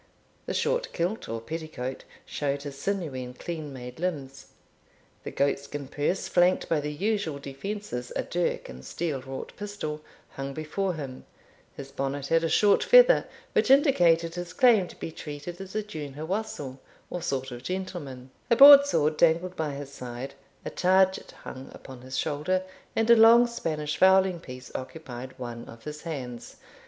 The short kilt, or petticoat, showed his sinewy and clean made limbs; the goatskin purse, flanked by the usual defences, a dirk and steel wrought pistol, hung before him; his bonnet had a short feather, which indicated his claim to be treated as a duinhe wassel, or sort of gentleman; a broadsword dangled by his side, a target hung upon his shoulder, and a long Spanish fowling piece occupied one of his hands.